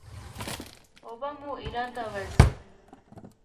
اوبه مو ایران ته ورځي.